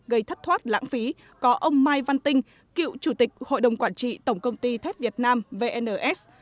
gây thất thoát lãng phí có ông mai văn tinh cựu chủ tịch hội đồng quản trị tổng công ty thép việt nam vns